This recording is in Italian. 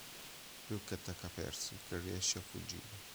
Luke attacca Percy, che riesce a fuggire.